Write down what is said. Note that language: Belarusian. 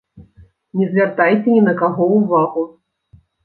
Не звяртайце ні на каго ўвагу.